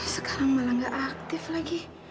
sekarang malah gak aktif lagi